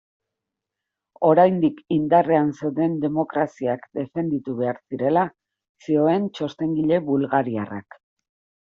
Oraindik indarrean zeuden demokraziak defenditu behar zirela zioen txostengile bulgariarrak.